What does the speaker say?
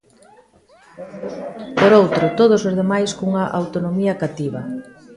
Por outro, todos os demais cunha autonomía cativa.